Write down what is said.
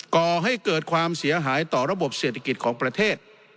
ก่อให้เกิดความเสียหายต่อระบบเศรษฐกิจของประเทศ